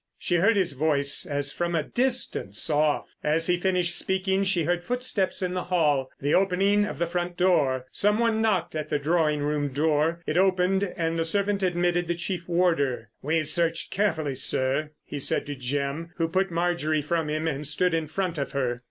She heard his voice, as from a distance off. As he finished speaking she heard footsteps in the hall—the opening of the front door. Some one knocked at the drawing room door. It opened, and the servant admitted the chief warder. "We've searched carefully, sir," he said to Jim, who put Marjorie from him and stood in front of her.